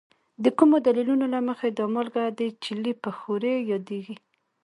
د کومو دلیلونو له مخې دا مالګه د چیلي په ښورې یادیږي؟